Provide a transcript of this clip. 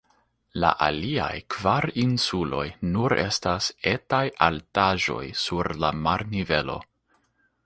La aliaj kvar insuloj nur estas etaj altaĵoj sur la marnivelo.